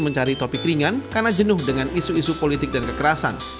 mencari topik ringan karena jenuh dengan isu isu politik dan kekerasan